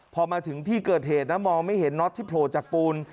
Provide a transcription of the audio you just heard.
พอมาถึงที่เกิดเหตุนะมองไม่เห็นน็อตที่โผล่จากปูน